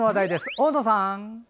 大野さん。